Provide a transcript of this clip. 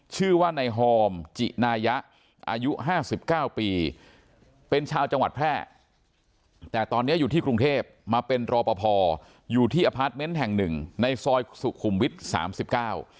ชื่อว่าในฮอมจินายะอายุห้าสิบเก้าปีเป็นชาวจังหวัดแพร่แต่ตอนนี้อยู่ที่กรุงเทพมาเป็นรอปภอยู่ที่อพาร์ทเมนต์แห่งหนึ่งในซอยสุขุมวิทย์สามสิบเก้า